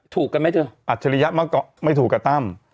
ถูกกันไหมเธออัชริยะเมื่อก่อนไม่ถูกกับตั้ม